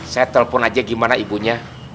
saya telpon aja gimana ibunya